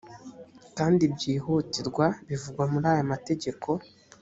kandi byihutirwa bivugwa muri aya matageko